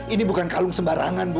ini bukan kalung sembarangan bu